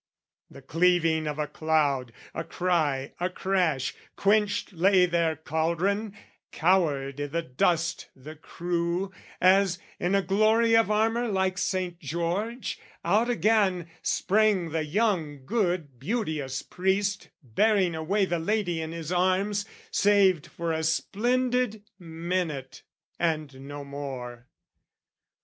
The cleaving of a cloud, a cry, a crash, Quenched lay their cauldron, cowered i' the dust the crew, As, in a glory of armour like Saint George, Out again sprang the young good beauteous priest Bearing away the lady in his arms, Saved for a splendid minute and no more.